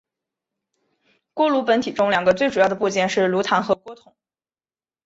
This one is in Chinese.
锅炉本体中两个最主要的部件是炉膛和锅筒。